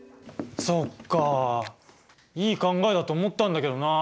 そっかいい考えだと思ったんだけどな。